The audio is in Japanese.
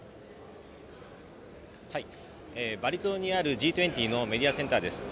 バリ島にあるＧ２０のメディアセンターです。